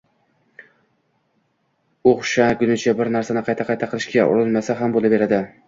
o‘xshagunicha bir narsani qayta-qayta qilishga urinmasa ham bo‘laveradi.